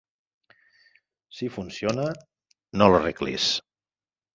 Si funciona, no l'arreglis.